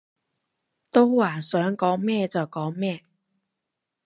都話想講咩就講咩